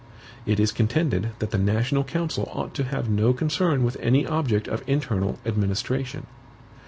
It is contended that the national council ought to have no concern with any object of internal administration.